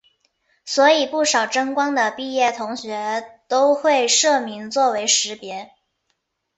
所以不少真光的毕业同学都会社名作为识别。